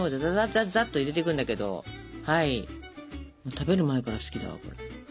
食べる前から好きだわこれ。